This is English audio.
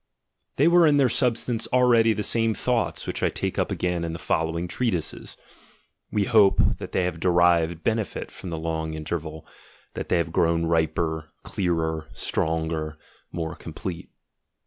They were in their substance already the same thoughts which I take up again in the following treatises: — we hope that they have derived benefit from the long interval, that they have grown riper, clearer, stronger, more com plete.